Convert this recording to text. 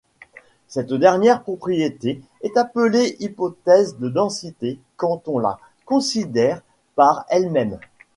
Cette dernière propriété est appelée hypothèse de densité quand on la considère par elle-même.